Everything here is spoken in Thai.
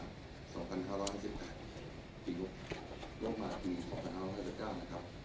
ที่ลบมาที๒๕๕๙นะครับ